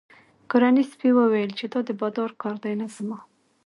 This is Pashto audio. کورني سپي وویل چې دا د بادار کار دی نه زما.